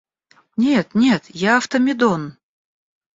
Нет, нет, я Автомедон.